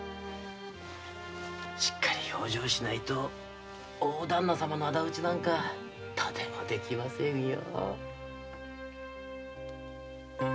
しっかり養生しないと大旦那様の仇討ちなんかとてもできませんよ。